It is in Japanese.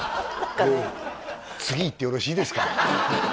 次いってよろしいですか？